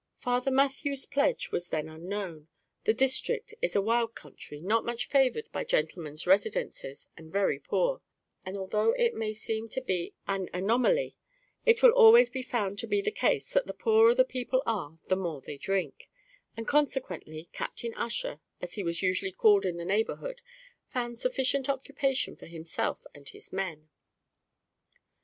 Father Mathew's pledge was then unknown; the district is a wild country, not much favoured by gentlemen's residences, and very poor; and, though it may seem to be an anomaly, it will always be found to be the case that the poorer the people are the more they drink; and, consequently, Captain Ussher, as he was usually called in the neighbourhood, found sufficient occupation for himself and his men.